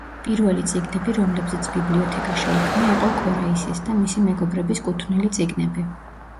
პირველი წიგნები, რომლებზეც ბიბლიოთეკა შეიქმნა იყო კორაისის და მისი მეგობრების კუთვნილი წიგნები.